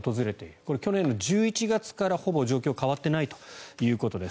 これ、去年の１１月からほぼ状況が変わってないということです。